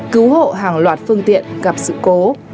cứu hộ hàng loạt phương tiện gặp sự cố